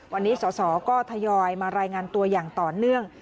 วันนี้สสก็ทยอยมารายงานตัวอย่างต่อเนื่อง